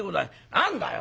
「何だよ！